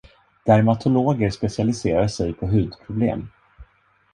Dermatologer specialiserar sig på hudproblem.